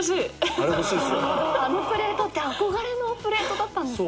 あのプレートって憧れのプレートだったんですね。